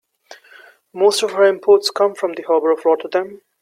Most of our imports come from the harbor of Rotterdam.